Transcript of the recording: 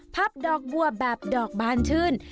ดอกบัวแบบดอกบานชื่น